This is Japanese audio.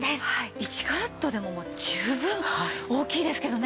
１カラットでも十分大きいですけどね。